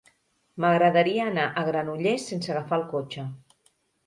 M'agradaria anar a Granollers sense agafar el cotxe.